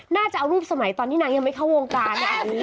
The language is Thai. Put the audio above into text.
จะเอารูปสมัยตอนที่นางยังไม่เข้าวงการ